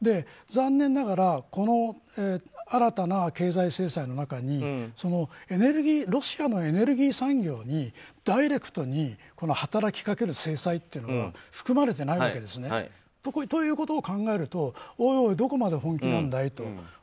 残念ながら新たな経済制裁の中にロシアのエネルギー産業にダイレクトに働きかける制裁というのは含まれてないわけですね。ということを考えるとおいおいどこまで本気なんだいと。